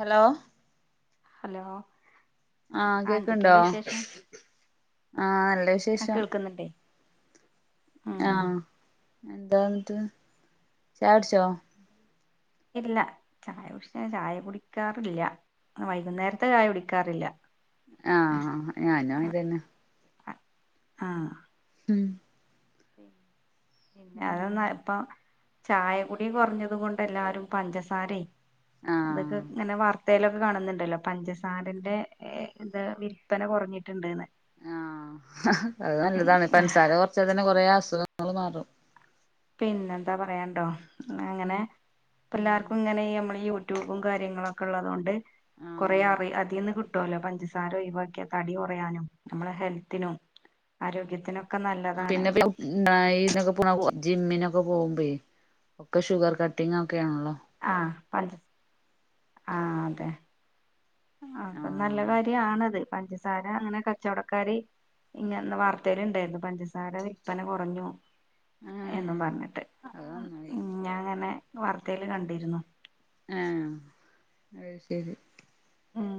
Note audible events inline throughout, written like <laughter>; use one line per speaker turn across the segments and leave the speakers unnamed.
Hello.
Hello.
ആഹ്
ആ
കേക്ക്ണ്ടോ?
എന്തൊക്കെയുണ്ട് വിശേഷം
ആഹ് നല്ല
ആ
വിശേഷം.
കേൾക്കുന്നുണ്ടേ ഉം
ആഹ്, എന്താ ന്നിട്ട് ചായടിച്ചോ?
ഇല്ല ചായ കുടിചാ ചായ കുടിക്കാറില്ല. വൈകുന്നേരത്തെ ചായ കുടിക്കാറില്ല.
ആഹ്, ഞാനും അങ്ങൻതന്നെ.
ആ ആഹ്.
ഉം
പിന്നെ അതൊന്നപ്പ ചായ കുടി കൊറഞ്ഞത് കൊണ്ട് എല്ലാരും പഞ്ചസാരയ് അതൊക്കെ
ആഹ്
ഇങ്ങനെ വർ ത്തേലൊക്കെ കാണുന്നുണ്ടല്ലോ പഞ്ചസാരന്റെ ഇത് വിൽപന കുറഞ്ഞിട്ടുണ്ട്ന്ന്
ആഹ്, അത് നല്ലതാണ്
ഉം
പൻസാര കൊറചാ തന്നെ കൊറെേ അസുഖങ്ങള് മാറും.
പിന്നെന്താ പറയാണ്ടോ അങ്ങനെ
ഉം
പ്പല്ലാർക്കും ഇങ്ങനെ ഈ നമ്മള് യ ട്യൂബും കാര്യങ്ങളക്കെ ഉള്ളതൊണ്ട്
ഉം ആഹ്
കൊറെേ അറി അതിന്ന് കി കിട്ടുല്ലോ പഞ്ചസാര ഒഴിവാക്കിയാ തടി കൊറയാനും നമ്മളെ ഹെൽത്തിനും ആരോഗ്യത്തിനൊ
പിന്നെ <unintelligible> <unintelligible> ജിമ്മിനൊക്കെ പോകുബെയ് ഒക്കെ ഷുഗർ കട്ടിങ് ഒക്കെയാണല്ലോ.
ആഹ് പജ് ആ അതെ. അപ്പൊ നല്ല
ആഹ്
കാരിയാണത് പഞ്ചസാര അങ്ങനെ കച്ചവടക്കാര് ങ്ങന വാർതേല് ണ്ടായിരുന്നു പഞ്ചസാര വില്പ്പന കൊറഞ്ഞു. എന്നും
ഏഹ്
പറഞ്ഞിട്ട്,
അത് നന്നായി
ഞാൻ ങ്ങനെ വാർതേല് കണ്ടിരുന്നു.
ആഹ് അത് ശരി.
ഉം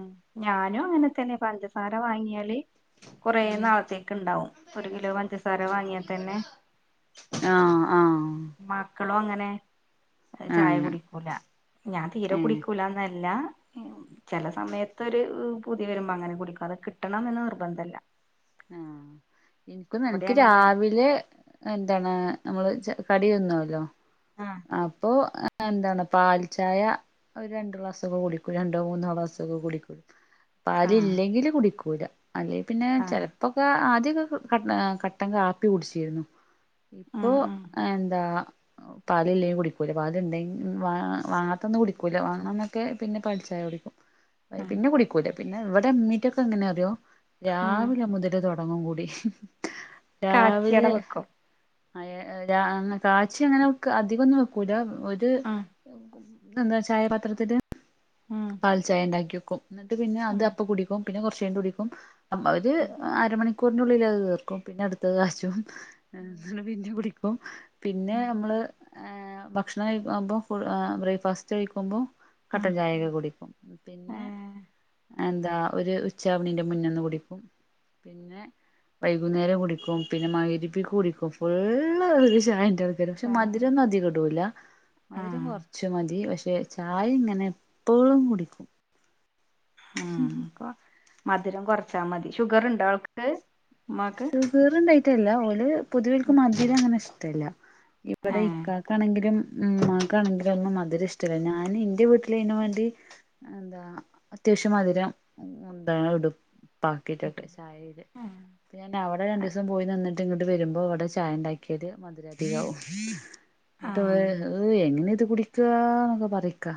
ഞാനും അങ്ങനെ തന്നെ പഞ്ചസാര വാങ്ങിയാല് കൊറെ
ഉം
നാളത്തേക്ക്ണ്ടാവും, ഒരു കിലോ പഞ്ചസാര വാങ്ങിയാ തന്നെ.
ആഹ് ആഹ്.
മക്കളും അങ്ങനെ. ചായ
ഏഹ്
കുടിക്കൂല ഞാൻ തീരെ
ഏഹ്
കുടിക്കൂലന്നല്ല ചേല സമയതോരു പൂതി വരുമ്പോ അങ്ങനെ കുടിക്കും, അത് കിട്ടണമന്ന് നിർബന്ധല്ല.
ആഹ് ഇൻക്കും
അവിടെ
നിക്ക്
അങ്ങനെ
രാവിലെ എന്താണ് നമ്മള് ച് കടിന്നുല്ലോ
ആഹ്
അപ്പോ എന്താണ് പാൽ ചായ ഒരു രണ്ട് ക്ലാസ്സ് ഒക്കെ കുടിക്കും, രണ്ടോ മൂന്നോ ക്ലാസക്കെ കുടിക്കും. പാല്
ആഹ്
ഇല്ലെങ്കില് കുടിക്കൂല അല്ലെയ് പിന്നെ ചെല
ആഹ്
ഇപ്പൊക്കെ ആദ്യൊക്കെ ക ക കട്ടം കാപ്പി കുടിച്ചീരുന്നു ഇപ്പൊ
ഉം ഉം
എന്താ പാല് ഇല്ലെങ്കിൽ കുടിക്കൂല പാലുണ്ടെങ്കി വാങ്ങാത്തന്ന് കുടിക്കൂല വാങ്ങണ ന്നൊക്കെ പിന്നെ പാൽചായ കുടി
<inaudible>
പിന്നെ കുടിക്കൂല പിന്നെ ഇവടെ ഇമ്മീറ്റൊക്കെ എങ്ങനെ അറിയോ
ഉം
രാവിലെ മുതൽ ത് തൊടങ്ങുംകൂടി
കാച്ചിയട
രാവിലെ
വെക്കും
അയേ രാ കാച്ചി അങ്ങനെ അധികൊന്നു വെക്കൂല ഒര്
ഉം
എന്താ ചായ പാത്രത്തില്
ഉം
കാൽ ചായണ്ടാക്കിവക്കും എന്നിട്ട് പിന്നെ അത്
ഉം
അപ്പ കുടിക്കും പിന്നെ കൊർചെയ്ഞ്ഞികുടിക്കും അവര്
ഉം
അരമണിക്കൂർനുള്ളില് അത് തീർക്കും പിന്നെ അടുത്തത്കാച്ചും പിന്നെ കുടിക്കും പിന്നെ
ഉം
നമ്മള് ഭക്ഷണം കഴിക്കുമ്പോൾ ഫുൾ ബ്രേക്ക്ഫാസ്റ്റ് കഴിക്കുമ്പോ
ഉം
കട്ടൻ ചായയൊക്കെ കുടിക്കും പിന്നെ
ഏഹ്
എന്താ ഒര് ഉച്ചാവ്ണീന്റെ മുന്നന്ന്കുടിക്കും പിന്നെ വൈകുന്നേരം കുടിക്കും പിന്നെ മഹ്രിബിക് കുടിക്കും ഫുള്ള് ഇവടൊരു ചായന്റെആൾ പക്ഷ മധുരൊന്നധികടൂല മധുരം
ഉം
കൊർ ച്ച്മതി പക്ഷെ ചായ ഇങ്ങനെ എപ്പോഴുംകുടിക്കും
ഉം അപ്പ മധുരം കുറച്ചാമതി ഷുഗറ്ണ്ടൊ അവൾക്ക് ഉമ്മാക്ക്
കീറ്ണ്ടായിട്ടല്ല ഓല് പൊതുവേൾക്ക് മതിരം അങ്ങനെ ഇഷ്ടല്ല ഇവിടെ
ഏഹ്
ഇക്കാ ക്കാണെങ്കിലും ഉമ്മാക്കാണെങ്കിലും ഒന്നും മധുരഇഷ്ടല്ല ഞാന് ഇന്റെവീട്ടിലയ്ന് വേണ്ടി എന്താ അത്യാവ്ശ്യം മധുരം ഉന്ത ഇടുപ്പാക്കിറ്റ്ക്കെ
കിട്ടും.
ചായേല്
ആഹ്
പ്പ ഞാൻ അവടെ രണ്ടുസം പോയിനിന്നിട്ട് ഇങ്ങട്ട് വരുമ്പോവ്ടെ ചായണ്ടാക്കിയത് മധുരതികാവും ന്നട്ട് വേ
ആഹ്
ഏ എങ്ങനെ ഇത് കുടിക്കാന്നൊക്കെ പറിക്കാ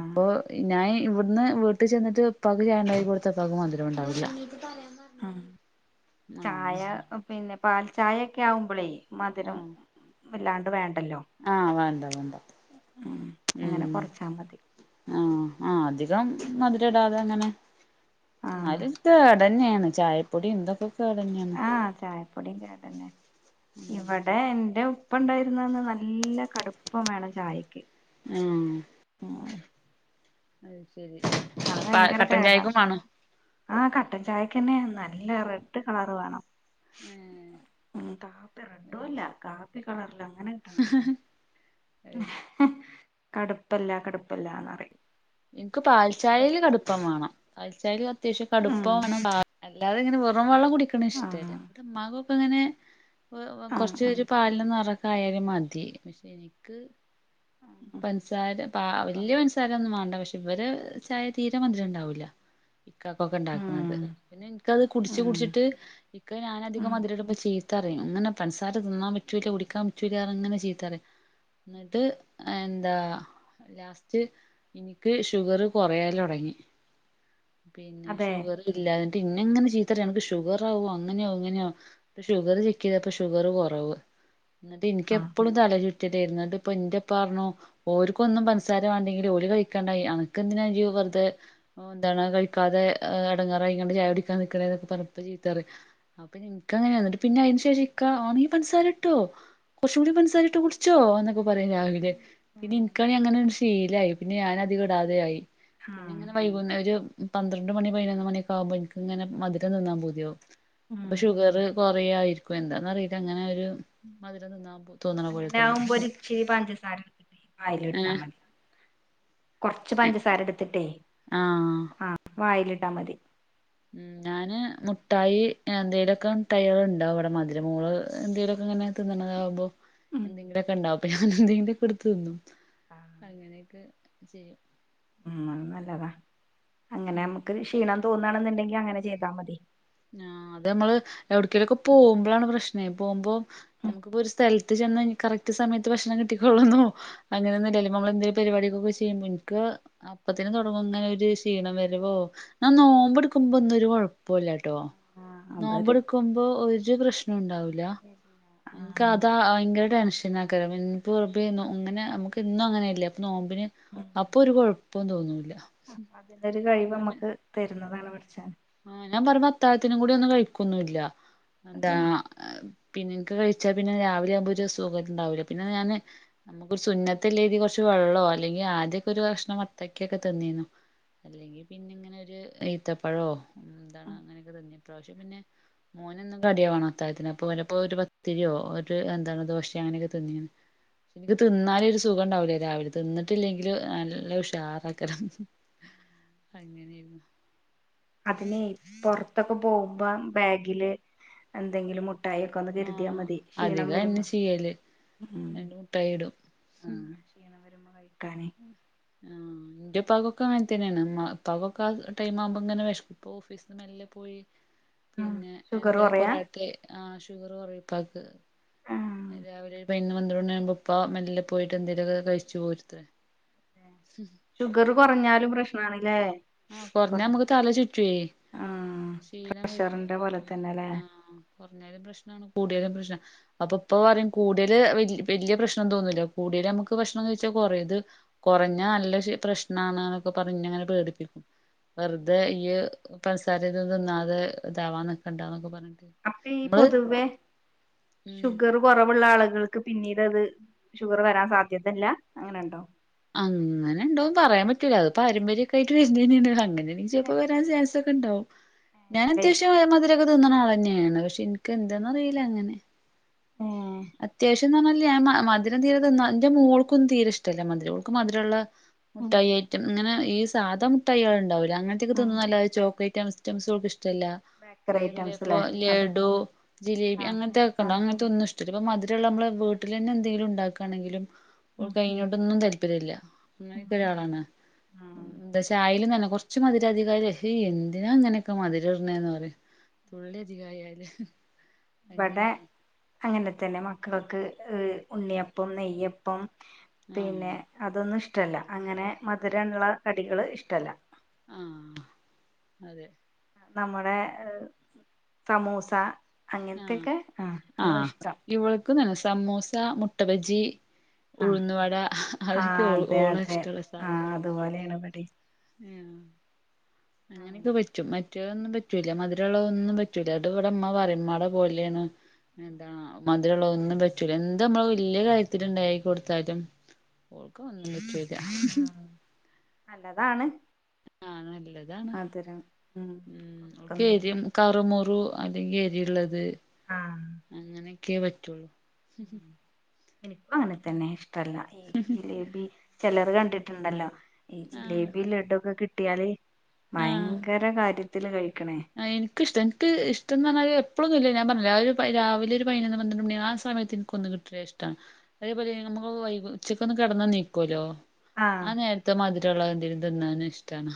അപ്പൊ ഞാൻ ഇവിട്ന്ന് വീട്ടിചെന്നിട്ട് ഇപ്പാക്ക് ചായണ്ടാക്കികൊടുത്ത ഇപ്പാക്ക് മധുരുണ്ടാവല
ആഹ് ചായ പിന്നെ പാൽചായക്കെ ആവുമ്പളേ മധുരം
ആഹ്
വല്ലാണ്ട് വേണ്ടല്ലോ
ആഹ് വേണ്ട വേണ്ട
ഉം അങ്ങനെ
ഉം
കൊറച്ചാ മതി
ആഹ് ആഹ് അധികം മധുരടാതെ അങ്ങനെ
ആഹ്
എന്നാല് കേടന്നേണ് ചായപ്പൊടിന്തൊക്കെ കേടന്നേണ്
ആ ചായപ്പൊടി കേടന്നെ ഇവിടെ എന്റെ ഉപ്പണ്ടായിരുന്നന്ന് നല്ല കടുപ്പംവേണം ചായക്ക്
ഏഹ്
ആഹ്
അത് ശെരി പാ കട്ടൻചായക്കും വേണോ
ആ കട്ടൻ ചായക്കെന്നെ നല്ല റെഡ് കളറ് വേണം
ഏഹ്
ഉം കാപ്പി റെഡ്ഡോല്ല കാപ്പി കളറില അങ്ങനെ കിട്ടണായിരുന്നു കടുപ്പല്ല കടുപ്പല്ലാന്ന്റിം
ഇൻക്ക് പാൽചായേല് കടുപ്പംവാണം പാൽചായേൽ അത്യാവശ്യം
ഉം
കടുപ്പം വേണം അല്ലാതെ ഇങ്ങനെ വെർ റുംവെള്ളം കുടിക്ക്‌ണേ ഇഷ്ട്ടല്ല
ആഹ്
ഇമ്മക്കോങ്ങനെ
ആഹ് ആഹ്
കൊർചൊര് പാൽ ഇല്ല നിറക്കായാലും മതി പക്ഷെ എനിക്ക് പൻസാര പാ
അപ്പം
വല്യ
വേണം
പൻസാരൊന്നും മാണ്ട പക്ഷെ ഇവര് ചായ തീരമതിരണ്ടാവുല ഇക്കാക്കൊക്കെ ണ്ടാക്ക്‌ണത്
ഉം
പിന്നെ എനിക്കത് കുടിച്ച്
ഉം
കുടിച്ചിട്ട് ഇക്ക ഞാനഅധികം
ഉം
മധിരടുമ്പ ചീ ത്തറിയും അങ്ങനെ പൻസാര തിന്നാൻപറ്റൂല്ല കുടിക്കാൻ പറ്റൂല്ല അങ്ങനെ ചീത്തറിം ന്നട്ട് എന്താ ലാസ്റ്റ് ഇനിക്ക് ഷുഗറ് കൊറയാലൊടങ്ങി പിന്നെ
അതെ
ഷുഗറ് ഇല്ലാഞ്ഞിട്ട് ഇന്നെങ്ങനെ ചീത്തറി അനക്ക് ഷുഗറാവു അങ്ങനെയാവു ഇങ്ങനെയോ ട്ട് ഷുഗറ് ചെക്കയ്തപ്പൊ ഷുഗറ് കൊറവ് ഇന്നട്ട്
ആഹ്
ഇനിക്കപ്പളും തലചുറ്റിട്ടായിരുന്നു ന്നട്ട്പ്പൊ ഇന്റെ പ്പർഞ്ഞു ഓര്കൊന്നും പൻസാര വണ്ടെങ്കില് ഓലി കഴിക്കാണ്ടയി അനക്കെന്തിനാ ജ് വെറുതെ ഓ എന്താണ് കഴിക്കാതെ എടങ്ങാറയ്കാണ്ട് ചായുടിക്കാ നിക്കണതൊക്കെ പർഞ് പ്പചീത്തറിം അപഞ്ഞ് ഇൻക്കങ്ങനെ ന്നട്ട്പിന്നെ അയിന്ശേഷം ഇക്ക ആ നീ പൻസാരട്ടോ കൊറ്ചൂടി പന്സാരിട്ട് കുടിച്ചോ എന്നൊക്ക പറയും <unintelligible> പിന്നെ
ആഹ്
ഇന്ക്കാണി അങ്ങനെ ശീലായി പിന്നെ ഞാൻ അതികടാതായി പിന്നെ
ആഹ്
ഇങ്ങനെ വൈകുന്ന ഒരു പന്ത്രണ്ട് മണി പതിനൊന്ന് മണിയൊക്കെ ആകുമ്പോൾ ഇന്ക്ക്ങ്ങനെ മധുരം തിന്നാൻ പൂതിയാവും
ഉം
അപ്പൊ ഷുഗർ കൊറയായിരിക്കും എന്താന്നറിയില്ല അങ്ങനെ ഒരു മധുരം തിന്നാൻ പു
അങ്ങനെ ആകുമ്പോ ഒരു ഇച്ചിരി പഞ്ചസാരടുക്കട്ടെ വായില് ഇട്ടാ
ഏഹ്
മതി കൊറ്ച്ച് പഞ്ചസാര എടുത്തിട്ടേ
ആ
ആഹ് വായിലിട്ടാ മതി
ഉ ഞാന് മുട്ടായി എന്തോലൊക്കെ ടയ്യർണ്ടാവും അവിടെ മധുരമോള് എന്തോലൊക്കെ ഇങ്ങനെ തിന്ന്ണതാകുമ്പോ
ഉം
എന്തെങ്കിലുമൊക്കെ ഉണ്ടാവുംപ്പൊ ഞാന് എന്തെങ്കിലൊക്കെ എടുത്ത് തിന്നും അങ്ങനെയൊക്കെ ചെയ്യും
ഉ നല്ലതാ അങ്ങനെ നമുക്ക് ക്ഷീണം തോന്നാണെന്നുണ്ടെങ്കി അങ്ങനെ ചെയ്താ മതി
ആ അത നമ്മള് എവിടക്കേലുംക്കെ പോകുമ്പോഴാണ് പ്രശ്നേ പോകുമ്പോ
ഉം
നമുക്കിപ്പോ ഒരു സ്ഥലത്ത് ചെന്ന് യ്ഞ്ഞ് കറക് ക്റ്റ്സമയത്ത് ഭക്ഷണം കിട്ടിക്കൊളന്നോ അങ്ങനൊന്നാലും നമ്മള എന്തെങ്കിലും പരിപാടികൊക്കെ ചെയ്യുമ്പോ ഇന്ക്ക് അപ്പത്തിന് തുടങ്ങോ ഇങ്ങനെ ഒരു ക്ഷീണം വരുവോ ാ നോമ്പ് എടുക്കുമ്പോ ഒന്നും ഒരു കൊഴപ്പുല്ലാട്ടോ
അതൊരു
നോമ്പടുക്കുമ്പോ ഒരു പ്രശ്നംണ്ടാവൂല എനിക്ക്
ആഹ്
അതാ ഭയങ്കര ടെൻഷൻ ാക്കര ഇന്നപ്പോ ഇങ്ങനെ നമുക്ക് ഇന്നും അങ്ങനെല്ലേ അപ്പൊ നോമ്പിന്
ഉം
അപ്പൊ ഒരു കെഴപ് പ്പും തോന്നൂല്ല
അപ്പൊ അതിന്റെ ഒരു കഴിവ് നമ്മുക്ക് തരുന്നതാണ് പടച്ചോൻ
ആ ഞാൻ പറയുമ്പോ അത്താഴത്തിനും കൂടി ഒന്നും കഴിക്കൊന്നുല്ല എന്താ
അതെ
പിന്നെന്ക്ക് കഴിച്ചാൽ പിന്നെ രാവിലെ ആവുമ്പോൾ ഒരു സുഖംണ്ടാവൂല്ല പിന്നെ ഞാന് നമുക്ക് സുന്നത്തല്ല കുറച്ച് വെള്ളോ അല്ലെങ്കിൽ ആദ്യക്കെ ഒരു കഷ്ണം വത്തയ്ക്കൊക്കെ തിന്നിനി അല്ലെങ്കിൽ പിന്നെ ഇങ്ങനെ ഒരു ഈത്തപ്പഴോ എന്തണോ അങ്ങനെയൊക്കെ തന്നെ ഇപ്രാവശ്യം പിന്നെ മോനന്നും കടിയാ വേണം അത്തായത്തിന് അപ്പ ചെലപ്പോ ഒരു പത്തിരിയോ ഒരു എന്താണ് ദോശ അങ്ങനെയൊക്കെ തിന്നീനി
<inaudible>
ഇന്ന്ക്ക് തിന്നാലേ ഒരു സുഖം ഉണ്ടാവൂല്ലേ രാവി തിന്നിട്ടില്ലെങ്കും നല്ല ഉഷാറക്കാരം അങ്ങനെയരുന്നു
അതിനെ പുറത്തൊക്കെ പോകുമ്പോ ബാഗില് എന്തെങ്കിലും മുട്ടായി ഒന്ന് കരുതിയാൽ
ആഹ്
മതി ക്ഷീണം
അധികം അയെന്നെ
വരുമ്പോ
ചെയ്യല്
ഉം
രണ്ട് മുട്ടായി ഇടും
ആ നെണ വരുമ്പോ കഴിക്കാൻ
ആഹ എന്റെ പകൊക്കെ അങ്ങന് തന്നെയാണ് പകൊക്കെ ടൈം ആവുമ്പോ ഇങ്ങനെ വെശ്പ്പ് ഓഫീസ് പോയി
ആഹ്
പിന്നെ
ഷുഗർ
<unintelligible>
കുറയാ
പൊറാട്ടെ ആ ഷുഗർ കുറയും ഉപ്പാക്ക്
ആഹ്
രാവിലെ പതിനൊന്ന് പന്ത്രണ്ട് മണി ആവുമ്പോ ഉപ്പ മെല്ല പോയിട്ട്ന്തേലുമൊക്കെ കഴിച്ചു പോരുത്രേ <unintelligible>
ഷുഗർ കുറഞ്ഞാലും പ്രശ്നാണ്ല്ലേ
ആഹ് കൊറഞ്ഞാ
കൊറ്
നമുക്ക് തല ചുറ്റുവേ
ആ പ്രഷറിന്റെ പോലെ തന്നെല്ലേ
ആഹ കുറഞ്ഞാലം പ്രശ്നാണ് കൂടിയാലും പ്രശ്നാ അപ്പൊ ഇപ്പ പറയും കൂടതല് വല വലിയ പ്രശ്നം തോന്നൂല്ല കൂടിയൽ നമുക്ക് ഭക്ഷണം കഴിച്ചാൽ കൊറയും ത് കെറഞ്ഞാല് നല്ല ക്ഷീ പ്രശ്നാണ് ന്നൊക്കെ പറഞ്ഞ് ഇന്നങ്ങനെ പേടിപ്പിക്കും വെറുതെ ഇയ്യ് പന്സാര ഇതെന്നും തിന്നാതെ ഇതാവാന് നിക്കണ്ടാ ന്നൊക്കെ പറഞ്ഞ
അപ്പ ഈ പൊതുവെ
ഉം
ഷുഗറും കുറവുള്ള ആളുകൾക്ക് പിന്നീട് അത് ഷുഗർ വരാൻ സാധ്യതല്ല അങ്ങനെ ഉണ്ടോ?
അങ്ങനെ ഉണ്ടോന്ന് പറയാൻ പറ്റൂല അത് പാരമ്പര്യക്കായിട്ട് വര് നേനാണ് അങ്ങനെണങ്കി ചെല്പ്പം വരാൻ ചാൻസ് ണ്ട് ക്കെ ഉണ്ടാവും ഞാൻ
ഏഹ്
അത്യാവശ്യ മധുരൊക്കെ തിന്ന്ണ അളന്നെണ് പക്ഷെ ഇന്ക്ക് എന്താന്ന് അറിയില്ല അങ്ങനെ
ആ
അത്യാവശ്യംന്ന് പറഞ്ഞാല് മധുരം തീര തിന്ന എന്റെ മോൾക്കന്നും തീരെ ഇഷ്ടല്ല മധുര മധുരമുള്ള
ഉം
മുഠായി ഐറ്റം ഇങ്ങനെ ഈ സാധാ മുഠായികള്ണ്ടാവൂല്ല അങ്ങൻത്തെക്കെ
ഉം
തിന്നുന്നല്ലതെ
ബേ
ചോക്ലേറ്റയ് റ്റംസോൾക്ക് ഇഷ്ടല്ല.
ബേക്കറി
അതേപോലെ
ഐറ്റംസ്
പ്പോ
ല്ലേ അതോ
ലഡു, ജിലേബി
ആഹ്
അങ്ങൻത്തെക്കെണ്ടവു
ആഹ്
അങ്ങൻത്തൊന്നുഷ് ടല്ല പ്പം മധുരള്ളെ അമ്മള് വീട്ടിലെന്നെ എന്തെങ്കിലുണ്ടാക്കാണെങ്കിലും
ഉം
ഓക്കയ്നോടെന്നും താല്പര്യല്ല. അങ്ങനെക്കൊരാളാണ് എന്ത ചാ യെലും തന്നെ കൊറച്ച് മധിരതികായാല് ഹ് എന്തിനാ ഇങ്ങനെക്കെ മധിരട്ണെന്ന് പറിം. തുള്ള്യധികായാല്
ഇബടെ അങ്ങനെ തന്നെ മക്കൾക്ക് എഹ് ഉണ്ണിയപ്പം, നെയ്യപ്പം
ആഹ്
പിന്നെ അതൊന്നുഷ്ടല്ല അങ്ങനെ മധ് രെള്ളെ കടികള് ഇഷ്ടല്ല.
ആഹ് അതെ
നമ്മുടെ എഹ് സമൂസ
ആഹ്
അങ്ങൻത്തെക്കെ ആഹ് ആണ് ഇഷ്ടം.
ഇവൾക്കും തന്നെ സമൂസ, മുട്ട ബജി
ആ
ഉഴുന്നു വട അതൊക്കെ ഒ ഓളെ ഇഷ്ടെള്ള സാധനം.
ത്പോലെണ് ഇബടിം
ഉം അങ്ങനെക്കെ
അങ്ങനെ
പ റ്റും മറ്റൊന്നും പറ്റൂല മധുരള്ളതൊന്നും പറ്റൂല അത് വടെ ഇമ്മ പറിം ഇമ്മാടെ പോലെണ് എന്താ മധ് രള്ളതൊന്നും പറ്റൂല എന്ത് അമ്മള് വെല്യെ കാര്യത്തില്ണ്ടാക്കി കൊട്ത്താലും ഓക്കതൊന്നും പറ്റൂല
ആ നല്ലതാണ്
ആഹ് നല്ലതാണ്
മധുരം
ഉം
കൊടുക്കുന്നത്
ഓക്കെരിം കറ്മുറു അല്ലെങ്കി എരിള്ളത്
ആഹ്
അങ്ങനെക്കെ പറ്റൊള്ളൂ
ഇൻക്കു അങ്ങനെ തന്നെ ഇഷ്ടല്ല ഈ ജിലേബി ചെലോര് കണ്ട്ട്ട്ണ്ടല്ലോ ഈ
ആഹ്
ജിലേബിം ലഡൊക്കെ കിട്ട്യാല്
ആഹ്
ഭയങ്ക ര കാര്യത്തില് കഴിക്ക്ണേ
ആഹ് ഇൻക്കിഷ്ട ഇൻക്ക് ഇഷ്ടം ന്ന് പർഞ്ഞാല് എപ്പോളൊന്നുല്ല ഞാ <unintelligible> ല്ല ഒര് പ രാവിലൊര് പയ്നൊന്ന് പന്ത്രണ്ട് മണി ആ സമയത്തിൻ ക്കൊന്ന് കിട്ട് <unintelligible> ഇഷ്ടാണ് അതേപോലെ നമ്മക്ക് വൈകു ഉച്ചക്കൊന്ന് കെടന്നാ നീക്കോല്ലോ
ആഹ്
ആ നേര ത്ത് മാധിരെള്ളെ എന്തെങ്കിലും തിന്നാന് ഇഷ്ടാണ്.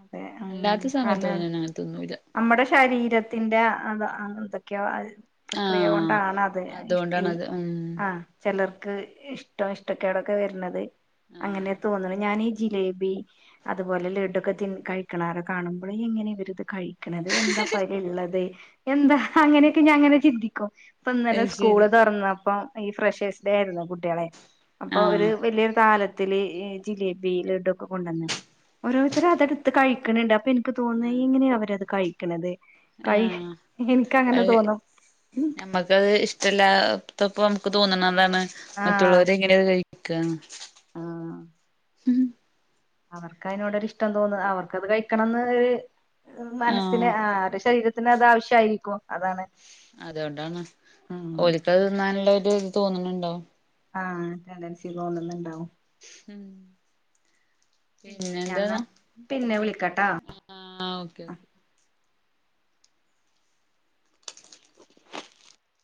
അതെ
അല്ലാത്ത സമയത്തൊന്നും ഞാനങ്ങനെ തിന്നൂല്ല.
അമ്മടെ ശരീരത്തിന്റെ അതാ അങ്ങൻതൊക്കെയാ <unintelligible>
ആഹ്
പ്രക്രിയോണ്ടാണത് ഇഷ് ഈ
അതുകൊണ്ടാണത് ഉം
ആഹ് ചെലർക്ക് ഇഷ്ടം ഇഷ്ടക്കേടൊക്കെ വെര്ന്നത്
ആഹ്
അങ്ങനെ തോന്ന്ണ് ഞാനീ ജിലേബി അതുപോലെ ലഡൊക്കെ തിൻ കഴിക്കണാര കാണുമ്പള് എങ്ങനെ ഇവരിത് കഴി ക്ക്ണത് എന്താ പയ്‌ല്ള്ളത് എന്താ അങ്ങനെക്കെ ഞാങ്ങനെ ചിന്തിക്കും പ്പ ന്നലെ
അത്
സ്കൂള്
ശരി
തൊർന്നപ്പം ഈ ഫ്രഷേഴ്സ് ഡേ യിര്ന്നു കുട്ട്യെളെ അപ്പൊ
ആഹ്
അവര് വെല്ല്യൊരു താലത്തില് ഇ ജിലേബി ലഡൊക്കെ കൊണ്ടന്ന് ഓരോ അവരതെട്ത്ത് കഴിക്ക്ണ് ണ്ട് അപ്പൊ ഇൻക്ക് തോന്ന
ആഹ്
ഇങ്ങനെ അവരത് കഴി ക്ക്ണത് കഴി
ആഹ്
ഇൻക്കങ്ങനെ തോന്നും
<unintelligible> ത് ഇഷ്ടല്ലാത്തപ്പം നമക്ക് തോന്ന്ണതാണ്
ആഹ്
മറ്റുള്ളവരെങ്ങനെത് കഴിക്കന്ന്.
ആഹ് അവർക്കയ്നോടൊരിഷ്ടം തോന്നും അവർക്കത് കഴിക്കണന്ന് എഹ് മനസ്സിന്
ആഹ്
ആ അവരുടെ ശരീര ത്തിനതാവശ്യായിരിക്കും. അതാണ്
അതോണ്ടാണ്
ഉം
ഓല്ക്കത് തിന്നാനുള്ളൊര്ത് തോന്ന്ണ് ണ്ടാവും.
ആഹ് ടെൻറ്റൻസി തോന്ന്ന്ന്ണ്ടാവും
ഉം
ഞാൻന്നാ
പിന്നെന്തന്നാ
പിന്നെ
ന്നയ്ക്കോട്ടെ
വിളിക്കാട്ടോ
ആഹ് ആഹ് ഓക്കെ ഓക്കെ